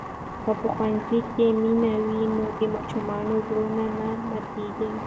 که په ښوونځي کې مینه وي نو د ماشومانو زړونه نه ماتېږي.